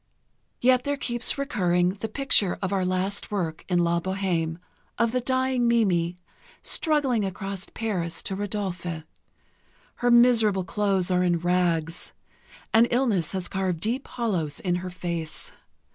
Yet there keeps recurring the picture of our last work in "La Bohême," of the dying Mimi, struggling across Paris to Rodolphe. Her miserable clothes are in rags, and illness has carved deep hollows in her face.